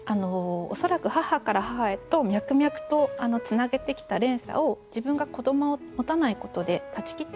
恐らく母から母へと脈々とつなげてきた連鎖を自分が子どもを持たないことで断ち切ってしまう。